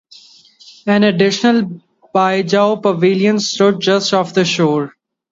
An additional Bijou Pavilion stood just off the shore.